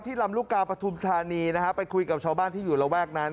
ลำลูกกาปฐุมธานีนะฮะไปคุยกับชาวบ้านที่อยู่ระแวกนั้น